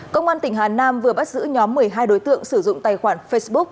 công an tỉnh hà nam vừa bắt giữ nhóm một mươi hai đối tượng sử dụng tài khoản facebook